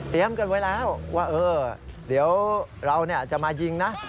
เตรียมกันไว้แล้วว่าเดี๋ยวเราจะมายิงนะ